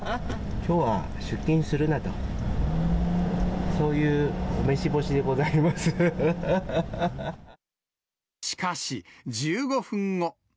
きょうは出勤するなと、しかし、１５分後。